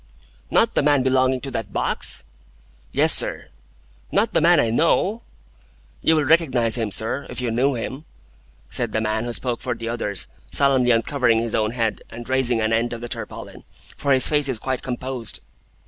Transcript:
"Not the man belonging to that box?" "Yes, sir." "Not the man I know?" "You will recognise him, sir, if you knew him," said the man who spoke for the others, solemnly uncovering his own head, and raising an end of the tarpaulin, "for his face is quite composed."